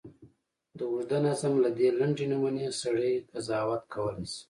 د اوږده نظم له دې لنډې نمونې سړی قضاوت کولای شي.